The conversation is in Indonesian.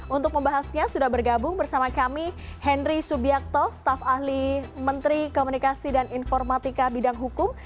untuk membahasnya sudah bergabung bersama kami henry subiakto staf ahli menteri komunikasi dan informatika bidang hukum